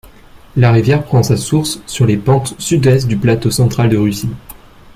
La rivière prend sa source sur les pentes sud-est du plateau central de Russie.